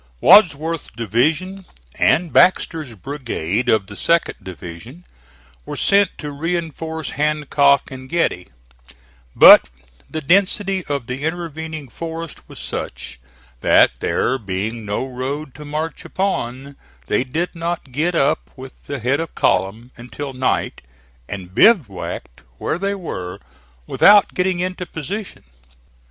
Wadsworth's division and Baxter's brigade of the 2d division were sent to reinforce Hancock and Getty; but the density of the intervening forest was such that, there being no road to march upon, they did not get up with the head of column until night, and bivouacked where they were without getting into position.